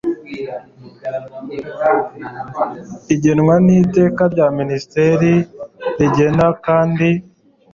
agenwa n Iteka rya Minisitiri Rigena kandi